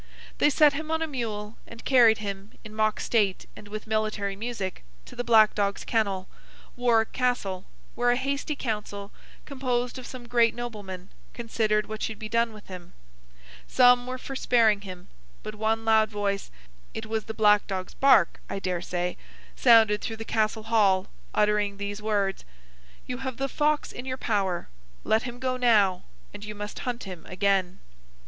They set him on a mule, and carried him, in mock state and with military music, to the black dog's kennel—Warwick Castle—where a hasty council, composed of some great noblemen, considered what should be done with him. Some were for sparing him, but one loud voice—it was the black dog's bark, I dare say—sounded through the Castle Hall, uttering these words: 'You have the fox in your power. Let him go now, and you must hunt him again.